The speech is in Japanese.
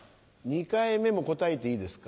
２回目も答えていいですか？